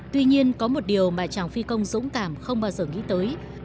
tuy nhiên có một điều mà chàng phi công dũng cảm không bao giờ nghĩ tới